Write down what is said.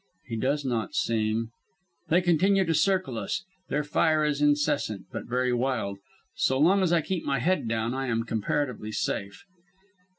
He does not seem "They continue to circle us. Their fire is incessant, but very wild. So long as I keep my head down I am comparatively safe.